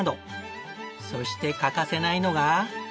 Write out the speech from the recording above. そして欠かせないのが。